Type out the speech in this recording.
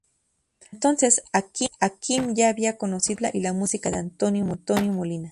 Para entonces, Hakim ya había conocido la copla y la música de Antonio Molina.